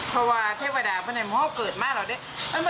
เพราะว่าเทวดาให้เราเกิดมาแล้วเจ๊อ๋อไม่ได้เกิดมาเป็นคนมีง่ายเจ๊อ๋อ